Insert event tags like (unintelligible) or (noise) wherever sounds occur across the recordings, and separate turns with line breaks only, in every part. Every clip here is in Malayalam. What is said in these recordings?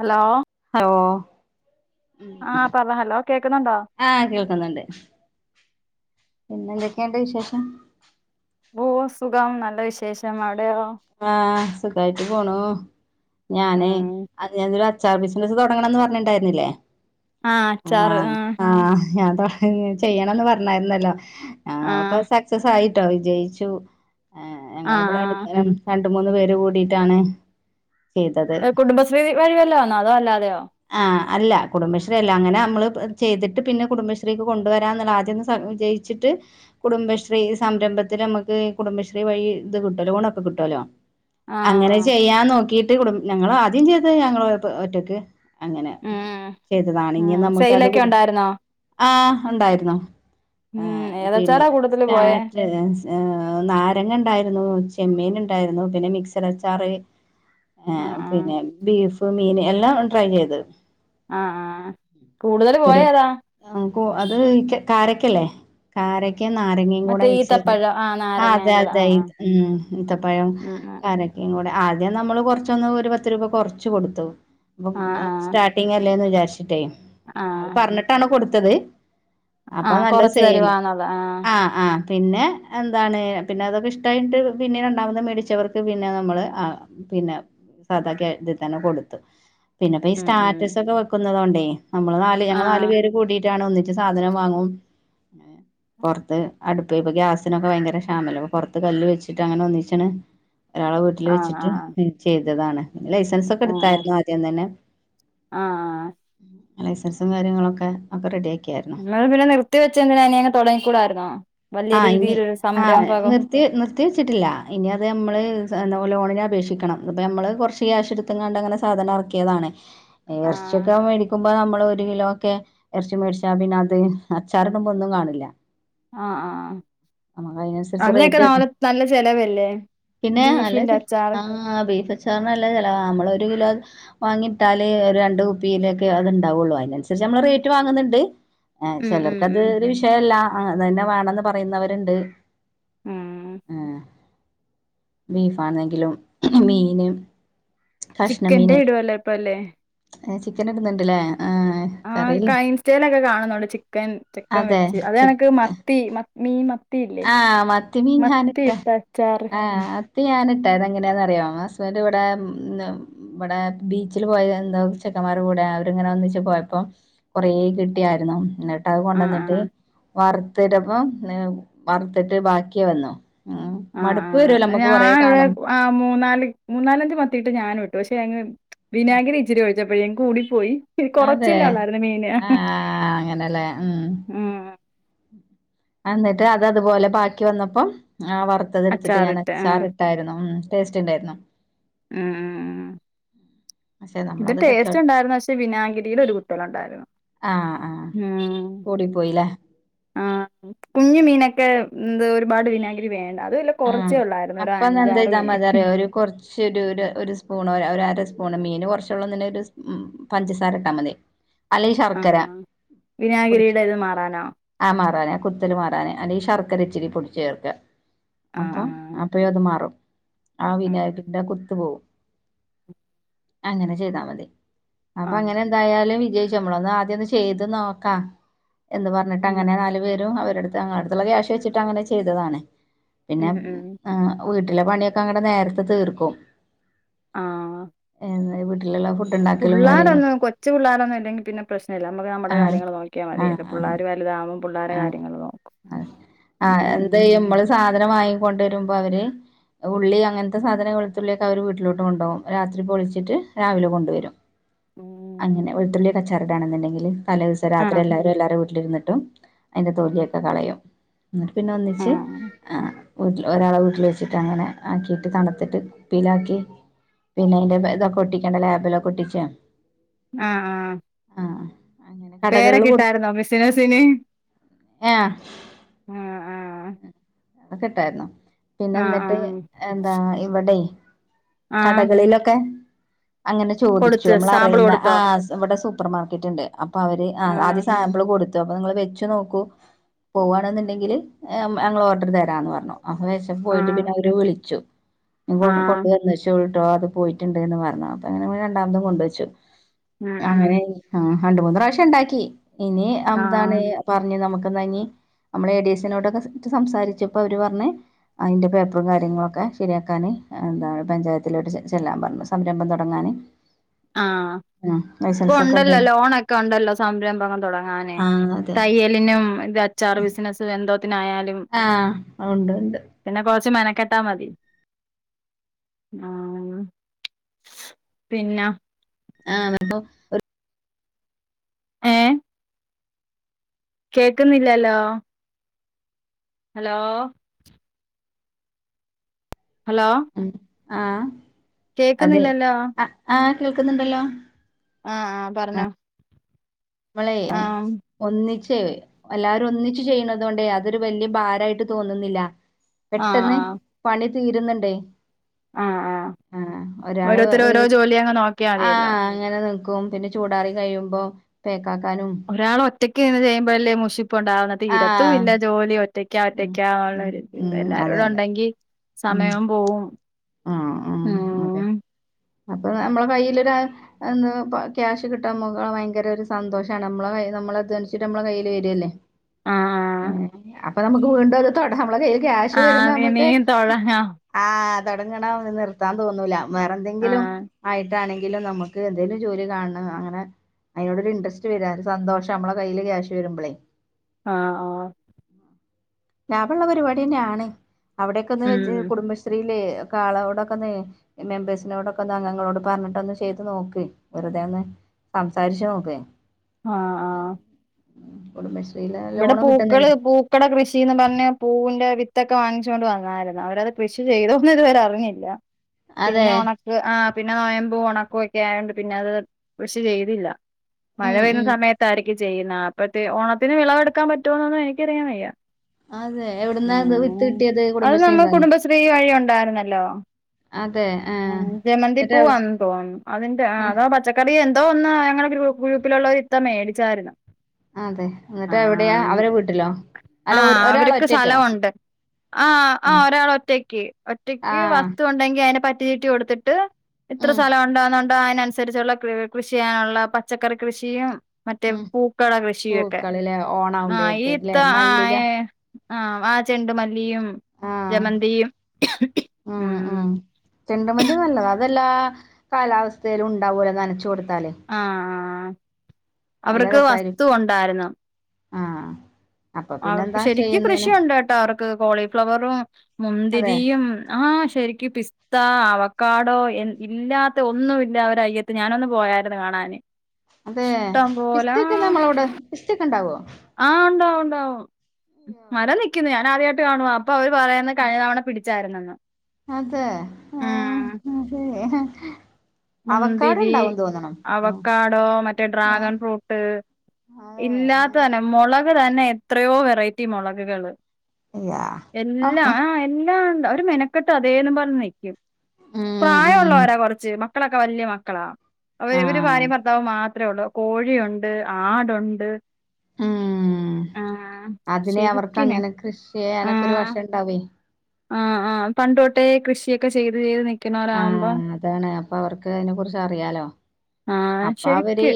ഹലോ?
ഹലോ
ആഹ പറഞ്ഞ ഹലോ കേൾക്കുന്നുണ്ടോ?
ആഹ് കേൾക്കുന്നുണ്ട്. പിന്നെ എന്തൊക്കെയണ്ട് വിശേഷം.
ഓ സുഖം നല്ല വിശേഷം അവിടെയോ?
ആഹ സുഖായിട്ട് പോണു. ഞാന് അഞൊരു അച്ചാർ ബിസിനസ്സ് തുടങ്ങണംന്ന് പറഞ്ഞിട്ടണ്ടായിരുന്നില്ലേ?
ആഹ് അച്ചാറ്
ആഹ
ആഹ്
ആഹ ഞാൻ താ ചെയ്യണംന്ന് പറഞ്ഞായിരുന്നല്ലോ ആ അപ്പൊ സക്സസ് ആയിട്ടോ വിജയിച്ചു. ആ
ആഹ്
ഞങ്ങളെവിടെ അടു
ആഹ്
രണ്ട് മൂന്ന് പേര് കൂടിയിട്ടാണ്. ചെയ്തത്
കുടുംബശ്രീ വഴിവല്ലോന്നോ അതോ അല്ലാതെയോ?
ആഹ അല്ല കുടുംബശ്രീ അല്ല അങ്ങനെ നമ്മള് ചെയ്തിട്ട്. പിന്നെ കുടുംബശ്രീക്ക് കൊണ്ടുവരാ എന്നുള്ള ആദ്യംന്ന് വിയി ട്ട് കുടുംബശ്രീ സംരംഭത്തിൽ നമുക്ക് കുടുംബശ്രീ വഴി ഇത് കിട്ടും ലോണ് ഒക്കെ കിട്ടും. ട്ടല്ലോ അങ്ങനെ
ആഹ്
ചെയ്യാന്ന് നോക്കിട്ട് കുടും ഞങ്ങൾ ആദ്യം ചെയ്ത ഞങ്ങള് ഒറ്റക്ക്. അങ്ങനെ
ഉം ഉം
ചെയ്തതാണെങ്കും നമുക്ക് അത്
സെയിലൊക്കെ
കൊടു.
ഉണ്ടായിരുന്നോ
ആഹ ഉണ്ടായിരുന്നു. ആ
ഉം
പിന്നെ
ഏതച്ചാറാ കൂടുതല് പോയേ
സ്റ്റാറ്റണ്. ഏർ നാരങ്ങ ഉണ്ടായിരുന്നു. ചെമ്മീൻ ഉണ്ടായിരുന്നു. പിന്നെ മിക്സർച്ചാറ്. ആ
ആഹ് ആഹ്
പിന്നെ ബീഫ്, മീൻ എല്ലാം ട്രൈ ചെയ്ത്.
ആഹ ആ കൂടുതൽ പോയ
ഒരു
താ
ആ അത് കാരക്കല്ലേ കാര ക നാരങ്ങയും കൂടെ
മറ്റേ
മിക്സ് ചെയ്തു
ഈത്തപ്പഴം ആഹ്
അതെ
നാരങ്ങായും കൂടെ
അതെ
ആഹ് ആഹ്
ഴം
ഉം ഉം
കരക്കിം കൂടെ ആദ്യം നമ്മള് കൊറച്ചൊന്ന് ഒരുപത്ത് രൂപ കൊറച്ച് കൊടുത്തു. അപ്പം
ആഹ് ആഹ്
സ്റ്റാർട്ടിങ് അല്ലേന്ന് വിചാരിച്ചിട്ടേ അത്
ആഹ്
പറഞ്ഞിട്ടാണ് കൊടുത്തത്. അപ്പൊ
ആഹ്
നല്ലത്
കൊറച്ച്
സെയിൽ
തരുവാന്നുള്ള ആഹ്
ആഹ ആ പിന്നെ എന്താണ് പിന്നെ അതൊക്കെ ഇഷ്ടമായിട്ട്. പിന്നെ രണ്ടാമത് മേടിച്ചവർക്ക് പിന്നെ നമ്മള് പിന്നെ സാദാെ ഇതി തന്നെ കൊടുത്തു. പിന്നെ പ്പ ഈ
ഉം ഉം
സ്റ്റാറ്റസ് ഒക്കെ വെക്കുന്നതുകൊണ്ടേ നമ്മള് നാല് ഞങ്ങൾ നാല്
ആഹ്
പേര് കൂടിട്ട്. ഒന്നിട്ട് സാധനം വാങ്ങും. പുറത്ത് അടുപ്പ് ഇപ്പൊ ഗ്യാസിനൊെ ഭയങ്കര ക്ഷമല്ല അ പുറത്ത് കല് വൊച്ചിട്ട് അങ്ങനെ ഒന്നിച്. അച് ഒരാളെ വീട്ടിൽ
ആഹ്
വെച്ചിട്ട്
ആഹ്
ചെയ്തതാണ് ലൈസൻസ് ഒക്കെ
ഉം ഉം
എടുത്തായിരുന്നു. സത്യം തന്നെ.
ആഹ്
ലൈസൻസും കാര്യങ്ങളൊക്കെ ഒക്കെ റെഡിയാക്കിയായിര്
നിങ്ങളത് പിന്നെ നിർത്തി വെച്ച- തെന്തിന ഇനിയങ്ങ് തൊടങ്ങിക്കൂടായിരുന്നോ വല്യ രീതിയിലൊരു സംരംഭകം.
(unintelligible) നിർത്തിവെച്ചിട്ടില്ലാ. ഇനി അത് നമ്മള് എന്ത ലോണിനപേക്ഷിക്കണം. ഇപ്പ ഞമ്മള് കൊർച്ച് ക്യാഷെട്ത്ത്കാണ്ടങ്ങനെ സാധനം എർക്ക്യേതാണ്.
ആഹ്
ഏർച്ച്യൊക്കവൻ മേടിക്കും ഇപ്പൊ നമ്മള് ഒരു കിലോ ഒക്കെ എർച്ചി മേടിച്ചാ പിന്നെ അത്, അച്ചാറിടുമ്പൊ ഒന്നും കാണില്ല.
ആഹ് ആഹ് ആഹ്.
നമുക്ക് അതിനനുസരിച്ച്
അതിനൊക്കെ (unintelligible) നല്ല ചെലവല്ലേ?
പിന്നേ നല്ല
ബീഫിന്റെ
ചെൽ
അച്ചാറ്
ആഹ് ബീഫച്ചാറിന് നല്ല ചെലവാ. നമ്മളൊര് കിലോ വാങ്ങിട്ടാല് രണ്ട് കുപ്പിയിലെക്കെ അത്ണ്ടാവുള്ളു, അയ്നൻസരിച്ച് നമ്മള് റേറ്റ് വാങ്ങ്ന്ന് ണ്ട്. ആ
ഉം ഉം
ചെലർക്കത്
ഉം
ഒരു വിഷയല്ല, അതന്നെ വേണംന്ന് പറയുന്നവര്ണ്ട്.
ഉം
ഏഹ് ബീഫാണെങ്കിലും മീന്
ചിക്കന്റെ ഇടുവല്ലെ ഇപ്പ അല്ലേ?
ഏഹ് ചിക്കന്ട്ന്ന് ണ്ട്ലേ ആഹ്.
ആഹ്
കറിയില്ല
കൈ ഇൻസ്റ്റേലെക്കെ കാണുന്നുണ്ട് ചിക്കൻ ചിക്കൻ
അതെ
വെച്ച്‌, അത്
ചി
കണക്ക് മ ത്തി, മ മീ മത്തിയില്ലെ
ആഹ് മത്തിമീൻ ഞാനിട്ട
അച്ചാറ്
ആഹ് ഇത് ഞാനിട്ടാ ഇതെങ്ങനേന്നറ്യോ? ഹസ്ബൻഡ് ഇവ്ടേ ന്ന് ഇബടെ ബീച്ചില് പോയാ എന്താവും ചെക്കമ്മാരെ കൂടെ അവരിങ്ങനെ ഒന്നിച്ച് പോയപ്പം കൊറേ കിട്ടിയായിരുന്നു, ഇന്ന
ആഹ്
അത്കൊണ്ടന്ന്ട്ട്
ആഹ്
വറുത്തിട്ടപ്പം, ഏ വറുത്തിട്ട് ബാക്കി വന്നു. ഉം
ആഹ്
മടുപ്പ്
ആഹ്
വരുവല്ലോ
ആ
നമ്മുക്ക്
ഞാ
കൊറേ
ഇവിടെ
കാണും
ആ മൂന്നാല് മൂന്നാലഞ്ച് മത്തിയിട്ട് ഞാനു ഇട്ടു, പക്ഷെ അങ് വിനാഗിരി ഇച്ചിരി ഒഴിച്ചപ്പഴേ കൂടിപ്പോയി
അതെ
കൊറച്ചല്ലേ ഒള്ളാരുന്നു മീന്,
ആഹ് അങ്ങനെല്ലേ
ഉം
എന്നിട്ട് അതതുപോലെ ബാക്കി വന്നപ്പം, ആഹ് വറുത്തതെടുത്തിട്ട് ഞാൻ
അച്ചാറിട്ട് ആഹ്
അച്ചാറിട്ടായിരുന്നു ഉം ടേസ്റ്റ്ണ്ടായിരുന്നു.
ഉം
പക്ഷെ
ഇതും
നമ്മളത് കച്ചവട
ടേസ്റ്റുണ്ടായിരുന്നു പക്ഷെ, വിനാഗിരീടെ ഒരു കുത്തലുണ്ടായിരുന്നു.
ആഹ് ആഹ്.
ഉം
കൂടിപ്പോയിലേ?
ആഹ്, കുഞ്ഞു മീനൊക്കെ എന്ത് ഒരുപാട് വിനാഗിരി വേണ്ട അത് വല്ല
ഉം
കുറച്ചേ ഒള്ളായിരുന്നു, ഒരു അഞ്ചാറ് മീന്
കൊർച്ച് ര് ഒര് ഒര്സ്പൂണ് ഒരര സ്പൂണ്, മീന് കൊർച്ചൊള്ളുന്ന്ണ്ടെങ്കി ഒര് ഉം പഞ്ചസാരട്ടാമതി
ആഹ് വിനാഗിരീടേത് മാറാനോ?
ആഹ് മാറാന്, കുത്തല് മാറാന് അല്ലെങ്കി ശർക്കര ഇച്ചിരി പൊടിച്ച് ചേർക്ക. അപ്പം
ആഹ്
അപ്പഴത് മാറും, ആ
ആഹ്
വിനാഗിരിന്റെ ആ കുത്ത് പോവും. അങ്ങനെ ചെയ്താ മതി.
ആഹ്
അപ്പങ്ങനെ എന്തായാലും വിജയ് നമ്മളൊന്ന് ആദ്യൊന്ന് ചെയ്ത് നോക്കാ, എന്ന് പർഞ്ഞിട്ട്
ഉം
ട്ടങ്ങനെ നാല് പേരും, അവരെടുത്ത് ഞങ്ങളെട്ത്ത്ള്ള ക്യാഷ് വെച്ചിട്ട് അങ്ങനെ ചെയ്തതാണ്. പിന്നെ
ഉം ഉം
ആഹ് വീട്ടിലെ പണ്യൊക്കങ്ങനെ നേരത്തെ തീർക്കും.
ആഹ്
വീട്ടില്ള്ള (unintelligible)
പുള്ളാരൊന്നും കൊച്ച് പിള്ളാരൊന്നും അല്ലെങ്കി പിന്നെ പ്രശ്നല്ല. നമ്മക്ക് നമ്മടെ
ആഹ്
കാര്യങ്ങള് നോക്കിയാ
ആഹ്
മതിയല്ലൊ, പുള്ളാര് വെ വലുതാവുമ്പം പുള്ളാരെ
ആഹ്
കാര്യങ്ങള് നോക്കും.
ആഹ്
ഉം
ആഹ് എന്ത്
ഉം
ചെയ്യും നമ്മള് സാധനം വാങ്ങിക്കൊണ്ടുവരുമ്പൊ അവര് ഉള്ളി അങ്ങനത്തെ സാധനങ്ങ വെളുത്തുള്ളിയൊക്കെ അവർ വീട്ടിലോട്ട് കൊണ്ടുപോകും രാത്രിപ്പോൊ പെളിച്ചിട്ട് രാവിലെ കൊണ്ടുവരും
ഉം
അങ്ങനെ വെളുത്തുള്ളിയ അച്ചാറിടാണെന്നുണ്ടെങ്കിൽ തലേ ദിവസം രാത്രി
ആഹ്
എല്ലാവരും എല്ലാര വീട്ടിലിരുന്നിട്ടും അതിന്റെ തൊലിയൊക്കെ കളയും എന്നിട്ട് പിന്നെ ഒന്നിച്ച്
ആഹ്
ആഹ് വീട്ടിൽ ഒരാളെ വീട്ടിൽ വെച്ചിട്ട് അങ്ങനെ ആക്കിയിട്ട് തണുത്തിട്ട് കുപ്പിയിലാക്കി പിന്നെ അതിന്റെ ഇതൊക്കെ ഒട്ടിക്കണ്ട ലാബിലൊക്കെ ഒട്ടിച്ച
ആഹ് ആഹ്
ആഹ്
പേരെഒക്കെ ഇട്ടായിരുന്നോ ബിസിനസിന്
ഏഹ്
ആഹ് ആഹ്
അതെക്കെ ഇട്ടായിരുന്നു പിന്നെ
ആഹ്
എന്നിട്ട്
ആഹ്
എന്താ ഇവിടെയ്
ആഹ്
കടകളിലൊക്കെ അങ്ങനെ ചോദിച്ചു
കൊടുത്ത്
നമ്മൾ
സാമ്പിള്
അറിയുന്ന
കൊടുത്തോ
ആഹ് ഇവിടെ സൂപ്പർ മാർക്കറ്റ് ഉണ്ട് അപ്പൊ അവര് ആ ആദ്യ
ആഹ്
സാമ്പിൾ കൊടുത്ത അപ്പ നിങ്ങൾ വെച്ചു നോക്കൂ പോവാണെന്നുണ്ടെങ്കിൽ ഞങ്ങൾ ഓർഡർ തരാന്ന് പറഞ്ഞു അപ്പം വെച്ചപ്പം പോയിട്ട്
ആഹ്
പിന്നെ അവര് വിളിച്ചു കൊ
ആഹ്
കൊണ്ടുവന്നച്ചേ ട്ടെ അത് പോയിട്ടുണ്ട് എന്ന് പറഞ്ഞു അപ്പം അങ്ങനെ രണ്ടാമതും കൊണ്ടുവെച്ചു
ഉം ഉം
അങ്ങനെ ആഹ് രണ്ട മൂന്ന് പ്രാവശ്യം ഉണ്ടാക്കി ഇനി എന്താണ്
ആഹ്
പറഞ് നമുക്ക് ഇഞ്ഞി നമ്മളെ എ ഡി എസിനോടൊക്കെ സംസാരിച്ചപ്പോൾ അവര് പറഞ് അതിൻ്റെ പേപ്പറും കാര്യങ്ങളൊക്കെ ശരിയാക്കാൻ എന്താണ് പഞ്ചായത്തിലോട്ട് ചെല്ലാൻ പറഞ്ഞു സംരംഭം തുടങ്ങാന് ഉം
ആഹ്
ആഹ് വെയ
ഇപ്പം ഉണ്ടല്ലോ ലോണൊക്കെ ഉണ്ടല്ലോ സംരംഭങ്ങള് തുടങ്ങാനെ
ആ അതെ
തയ്യ- തിനും അച്ചാറ് ബിസിനസ് എന്തോത്തിന് ആയാലും
ആഹ് ഉണ്ട് ഉണ്ട്
പിന്നെ കുറച്ച് മെനക്കെട്ടാ മതി ആഹ് പിന്നെ
ആഹ് അത്പ്പോ
കേൾക്കുന്നില്ലല്ലോ ഹലോ ഹലോ
ഉം ആ അതെ
കേക്കുന്നില്ലല്ലോ
ആഹ് ആ കേൾക്കുന്നുണ്ടല്ലോ
ആഹ് ആഹ് പറഞ്ഞോ
ഇവളെയ്
ആ
ഒന്നിച്ച് എല്ലാവരും ഒന്നിച്ച് ചെയ്യണത് കൊണ്ടേ അതൊരു വലിയ ഭാരമായിട്ട് തോന്നുന്നില്ല
ആ
പെട്ടെന്ന്
ആ
പണി തീരുന്നുണ്ടേയ്
ആ ആ
ആഹ് ഒരാള്
ഓരോരുത്തര് ഓരോ ജോലി അങ്ങ് നോക്കിയാ മതിയല്ലോ
ആഹ് അങ്ങനെ നിക്കും പിന്നെ ചൂടാറി കഴിയുമ്പോ പേക്കാക്കാനും
ഒരാൾ ഒറ്റക്ക് ചെയ്യുമ്പോഴല്ലേ മുഷിപ്പ്ണ്ടാവുന്നത്
ആ
ഇരത്തും ഇല്ല ജോലി ഒറ്റക്കാ
ഉം
ഒറ്റക്കാുള്ള
ഉം ഉം അതെ
എല്ലാരോട
അതെ
ഉണ്ടെങ്കി
ഉം
സമയം പോകും
ആ ആഹ് അതെ അപ്പൊ നമ്മളെ കയ്യിലൊരു- അന്ന് ക്യാഷ് കിട്ടാൻ പോകുമ്പോ ഭയങ്കരം ഒരു സന്തോഷമാണ് നമ്മളെ നമ്മൾ അധ്വനിച്ചിട്ട് നമ്മളെ കയ്യില് വരല്ലേ
ആ
അപ്പൊ നമുക്ക് വീണ്ടും അത് തൊടാ നമ്മളെ കയ്യിൽ ക്യാഷ്
ആ
വരുമ്പോ
ആ നീ
നമുക്ക്
തൊഴ ആ
ആഹ് തുടങ്ങണം നിർത്താൻ തോന്നൂല വേറെ
ആ
എന്തെങ്കിലും ആയിട്ടാണെങ്കിലും നമുക്ക് എന്തേലും ജോലി കാണണം അങ്ങനെ- അയിനോടൊരു ഇൻട്രെസ്റ്റ് വരാണ് ഒരു സന്തോഷം നമ്മളെ കയ്യിൽ ക്യാഷ് വരുമ്പളേ
ആഹ് ആഹ്
ലാഭള്ള പരിപാടി തന്നെ ആണ് അവിടൊക്കെ ഒന്ന്
ഉം
വെച്ച് കുടുംബശ്രീയില് ഒക്കെ ആളോടൊക്കൊന്ന് മെമ്പേഴ്സിനോടൊക്കെ ഒന്ന് അംഗങ്ങളോട് പറഞ്ഞിട്ട് ഒന്ന് ചെയ്ത് നോക്ക്‌ വെറുതെ ഒന്ന് സംസാരിച്ച് നോക്ക്‌
ആ ആ
കുടബശ്രീൽ
ഇവിടെ പൂക്കള് പൂ പൂക്കടെ കൃഷിന്ന് പറഞ്ഞ് പൂവിന്റെ വിത്തൊക്കെ വാങ്ങിച്ച് കൊണ്ട് വന്നായിരുന്നു അവരത് കൃഷി ചെയ്തോന്ന് ഇതുവരെ അറിഞ്ഞില്ല
അതെ
പിന്നെ ഒണക്ക് ആ പിന്നെ നോയമ്പും ഒണക്കൊ ഒക്കെ ആയോണ്ട് പിന്നെ അത് കൃഷി ചെയ്തില്ല മഴ
ഉം
പെയ്യുന്ന
ഉം
സമയത്തായിരിക്കും ചെയ്യുന്നെ അപ്പ ഓണത്തിന് വിളവെടുക്കാൻ പറ്റോന്നൊന്നും എനിക്കറിയാൻ വയ്യ
അതെ എവിടുന്നാ ഇത് വിത്ത്
ഉം
കിട്ടിയത്
അത് നമ്മ
കുടുംബശ്രീന്നാ
കുടുംബശ്രീ വഴി ഉണ്ടായിരുന്നല്ലോ
അതെ
ആഹ്
എന്നിട്ട്
ജമന്തിപ്പൂ
എവ്
ആന്ന് തോന്നുന്നു അതിന്റെ അതാ പച്ചക്ക കറിയോ എന്തോ ഒന്ന് ഞങ്ങളെ ഗ്രൂപ്പില്ള്ളൊര് ഇത്ത മേടിച്ചാരുന്നു
അതെ എന്നിട്ട് എവിടെയാ അവരെ വീട്ടിലോ അല്ല
ആ
ഒ ഒരാള്
അവർക്ക്
ഒറ്റക്കോ
സ്ഥലമുണ്ട് ആഹ് ആഹ് ഒരാൾ ഒറ്റയ്ക്ക് ഒറ്റക്ക്
ആഹ്
വസ്തു ഉണ്ടെങ്കി അതിനെ പറ്റി ചീട്ട് കൊടുക്ക ത്തിട്ട് ഇത്ര
ഉം
സ്ഥലം ഉണ്ടോ ന്നുണ്ടേ ആ അയിനനുസരിച്ചുള്ള കൃഷി ചെയാനുള്ള പച്ചക്കറി കൃഷിയും മറ്റേ പൂക്കളെ കൃഷിയൊക്കെ
ഇണ്ട് ലേ ഓണം
ആഹ് ഈ ഇത്ത ആഹ് ഏഹ് ആഹ ആ ചെണ്ടുമല്ലിയും
ആഹ്
ജെമന്തിയും ഉം
ചെണ്ട്മല്ലി നല്ലതാ അതെല്ലാ കാലാവസ്ഥയിലും ഉണ്ടാവൂല്ലോ നനച്ച്‌ കൊടുത്താല്
ആഹ് ആഹ്
നല്ല രസായിരിക്കും ആഹ
അവർക്ക് ശരിക്കും കൃഷിയുണ്ട് കേട്ടോ അവർക്ക് കോളിഫ്ലവറും
അതെ
മുന്തിരിയും ആഹ ശരിക്കും പിസ് ത്താ അവക്കാടോ ഇല്ലാത്ത ഒന്നുമില്ല അവരെ അയ്യത്ത് ഞാനൊന്ന് പോയാര്ന്ന് കാണാന്
അതെ
ഇഷ്ടം പോലെ
പിസ്തക്കെ നമ്മളെടെ പിസ്തക്കെ ഇണ്ടാവോ
ആഹ് ഉണ്ടാവും ഉണ്ടാവും മരം നിക്ക്ന്ന് ഞാൻ ആദ്യായിട്ട് കാണുവാ അപ്പൊ അവര് പറയുന്ന് കഴിഞ്ഞ തവണ പിടി ച്ചാർന്നെന്ന്
അതെ ഏഹ് അതെ
മുന്തിരി
ഉം
അവക്കാടോ മറ്റേ
ഏഹ്
ഡ്രാഗൺ ഫ്രൂട്ട്
അതെ
ഇല്ലാത്ത ഇനം
ഏഹ്
മുളക് തന്നെ എത്രയോ വെറൈറ്റി മൊളകകള്
യാ
എല്ലാ
ആഹ്
ആഹ എല്ലാം ഒണ്ട് അവര് മെനക്കെട്ട് അതേന്ന് പറഞ്ഞ് നിക്കും
ഉം
പ്രായം
ഉം
ഒള്ളോരാ കൊറച്ച് മക്കളൊക്കെ വലിയ മക്കളാ അവ ഇവര്
ആഹ്
ഭാര്യേം ഭർത്താവും മാത്രേ ഉള്ളൂ കോഴി ഒണ്ട് ആട് ഒണ്ട്
ഉം അതിനെ അവർക്ക്
ശരിക്കിന്
അങ്ങനെ കൃഷി ചെയ്യാനൊക്കെ ഒരു വഷം ഇണ്ടാവേ
ആഹ ആഹ് പണ്ട് തോട്ടേ കൃഷിയൊക്കെ ചെയ്ത് ചെയ്ത് നിക്ക്ണോരാവുമ്പോം
ആഹ് അതാണ് അപ്പൊ അവർക്ക് അതിനെ കുറിച്ച് അറിയാലോ
ആഹ്
അപ്പൊ അവര്
ശരിക്ക്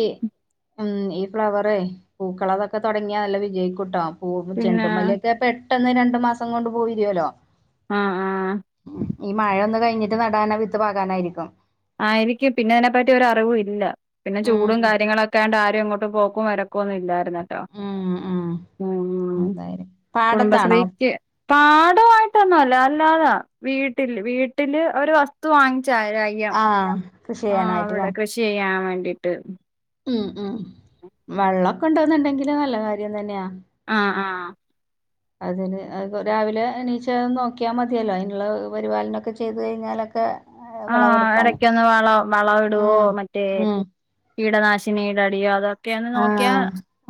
ഉം ഈ ഫ്ലവറെ പൂക്കളെ അതൊക്കെ തുടങ്ങിയാൽ നല്ല വിജയിക്കൂട്ടോ പൂവ്
പിന്നെ
ചെണ്ടുമല്ലിയൊക്കെ പെട്ടെന്ന് രണ്ടു മാസം കൊണ്ട് പൂ വിരിയൊല്ലോ
ആഹ് ആഹ്
ഈ മഴ ഒന്ന് കഴിഞ്ഞിട്ട് നടാനാ വിത്ത് പാകാനായിരിക്കും
ആയിരിക്കും പിന്നെ അയിനെപ്പറ്റി ഒര് അറിവും ഇല്ല പിന്നെ ചൂടും
ഉം
കാര്യങ്ങളൊക്കെ വക്കാണ്ട് ആരും അങ്ങോട്ട് പോക്കും വരക്കൊന്നും ഇല്ലാര്ന്ന്
ഉം ഉം
ഉ
അതായിരിക്കും പാടത്താണോ
കുടുംബശ്രീക്ക് പാടമായിട്ടൊന്നുംല്ല അല്ലാതെ വീട്ടില് വീട്ടില് ഒരു വസ് തുവാങ്ങി ച്ചായ്ആയിരം ആയി
ആഹ് കൃഷി
ആഹ്
ചെയ്യാനായിട്ട്ല്ലേ
അവിടെ കൃഷി ചെയ്യാൻ വേണ്ടീട്ട്
ഉം ഉം വെള്ളമൊക്കെ ഉണ്ടോന്നുണ്ടെങ്കില് നല്ല കാര്യം തന്നെയാ
ആ ഹ്ആഹ്
അതിന് രാവിലെ എനീച്ച നോക്കിയാൽ മതിയല്ലോ അതിനുള്ള പരിപാലനമൊക്കെ ചെയ്തു കഴിഞ്ഞാലൊക്കെ ഏ,
ആഹ
വിളവെടുപ്പാന്
ഇടക്കൊന്ന് വളം വള ഇടുവോ
ഉം
മറ്റേ
ഉം
കീടനാശിനി അടിയ അതൊക്കെ ക്കെന്ന് നോക്കിയാ
ആഹ്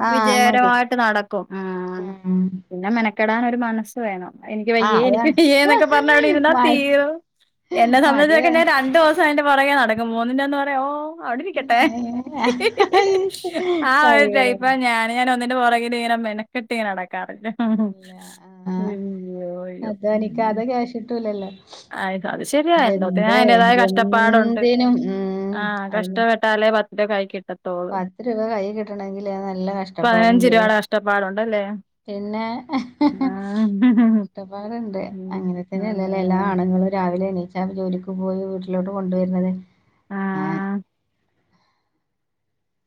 ആഹ് മതി
വിജയകരമായിട്ട് നടക്കും ഉ
ഉം
പിന്നെ മെനക്കെടാൻ ഒരു മനസ് വേണം എനിക്ക് വയ്യേ
ആഹ്
എനിക്ക്
അതാണ്
വയ്യേ എന്നൊക്കെ പറഞ്ഞ അവിടെ ഇരുന്നാൽ
മഴ
തീരും എന്നെ സംബന്ധ
മടി വേ
രണ്ടു ദിവസം അതിന്റെ പിറകെ നടക്കും മൂന്നിന്റെ അന്ന് പറയാ ഓ അവിടെരിക്കട്ടെ ആ ഒരു
കഴിയൂല
ടൈപ്പ ഞാന് ഞൻ ഒന്നന്റെ പുറകിൽ ഇങ്ങനെ മെനക്കെട് ഇങ്ങനടക്ക കാറില്ലെ
ഇല്ല
അയ്യോ അയ്യോ
ശട്ടൂലല്ലോ
അത് ശരിയ എന്തോ തിനായാലും അൻ്റേതായ കഷ്ടപ്പാടുണ്ട്
എന്തിനും ഉം
ആഹ് കഷ്ട
അതന്നെ.
ട്ടാലെ പത്ത് രൂപ കയ്യി കിട്ടു.
പത്ത് രൂപ കൈ കിട്ടണമെങ്കില് നല്ല
പതിനഞ്ച്
കഷ്ടപ്പാടുണ്ട്
രൂപയുടെ കഷ്ടപ്പാടുണ്ടല്ലേ
പിന്നെ
ആ
കഷ്ടപ്പാടുണ്ട്
ഉം
അങ്ങനെ തന്നെയല്ലല്ലോ എല്ലാ
ഉം
ആണുങ്ങളും രാവിലെ എണീച്ചാ ജോലിക്ക് പോയി വീട്ടിലോട്ട് കൊണ്ടുവരുന്നത്
ആ
ഏ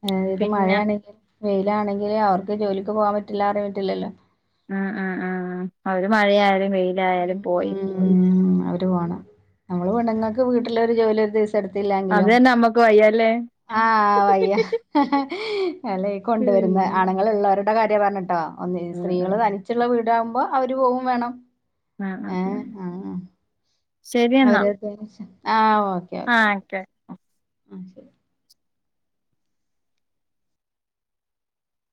ഏ ഇത്
പിന്നെ
മഴയാണെങ്കിലും വെയിലാണെങ്കിൽ അവർക്ക് ജോലിക്ക് പോകാൻ പറ്റില്ല അറിയൻ പറ്റില്ലല്ലോ
ഉം ഉം ഉം ഉ അവര് മഴയായാലും വെയിലായാലും പോയി
ഉ അവര് പോകണം നമ്മള് പെണ്ണുങ്ങക്ക് വീട്ടുള്ള ഒരു ജോലി ഉദ്ദേ എടുത്തില്ലാങ്കി
അതെന്നെ നമ്മക്ക് വയ്യല്ലേ
ആഹ് വയ്യ അല്ലെയ് കൊണ്ടുവരുന്ന
ഉം
ആണ്ങ്ങ ഞങ്ങള് ള്ളവരുടെ കാര്യാ പർഞ്ഞ്ട്ടോ ഒന്ന്
ഉം
സ്ത്രീകള് തനിച്ചുള്ള വീടാകുമ്പോ അവര് പോകും വേണം
ആഹ്
ഏഹ് ആഹ് അവര് (unintelligible) ആഹ് ഓ
ആഹ് ഓക്കെ
അയ്ശരി